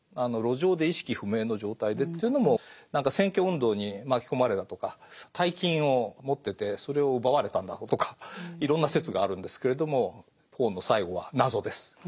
路上で意識不明の状態でというのも何か選挙運動に巻き込まれたとか大金を持っててそれを奪われたんだとかいろんな説があるんですけれどもポーの最期は謎です。